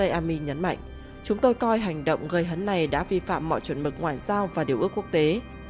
ami nhấn mạnh chúng tôi coi hành động gây hấn này đã vi phạm mọi chuẩn mực ngoại giao và điều ước quốc tế